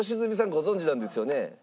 ご存じなんですよね？